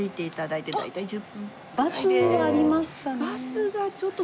バスはありますかね？